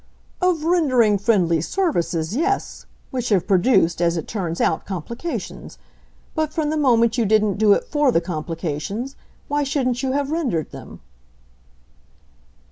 "Of rendering friendly services, yes which have produced, as it turns out, complications. But from the moment you didn't do it FOR the complications, why shouldn't you have rendered them?"